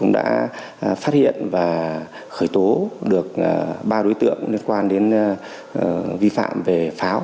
đã phát hiện và khởi tố được ba đối tượng liên quan đến vi phạm về pháo